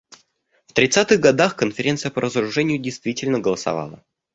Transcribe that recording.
В тридцатых годах Конференция по разоружению, действительно, голосовала.